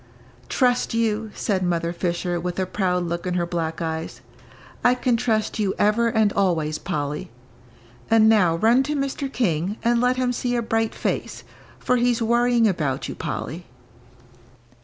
"Trust you," said Mother Fisher, with a proud look in her black eyes, "I can trust you ever and always, Polly; and now run to Mr. King and let him see a bright face, for he's worrying about you, Polly."